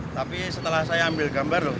tapi setelah saya ambil gambar loh